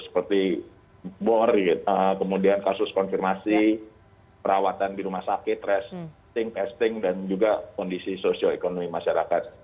seperti bor kemudian kasus konfirmasi perawatan di rumah sakit testing testing dan juga kondisi sosioekonomi masyarakat